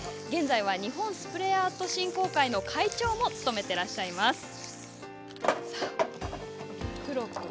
現在は日本スプレーアート振興会の会長も務めてらっしゃいます。